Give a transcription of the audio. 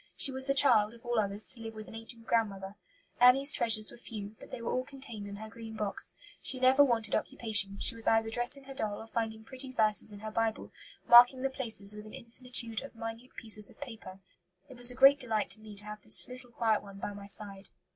She was the child, of all others, to live with an ancient grandmother. Annie's treasures were few, but they were all contained in her green box. She never wanted occupation; she was either dressing her doll or finding pretty verses in her Bible, marking the places with an infinitude of minute pieces of paper. It was a great delight to me to have this little quiet one by my side.